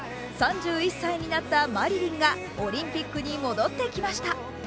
３１歳になったマリリンがオリンピックに戻ってきました。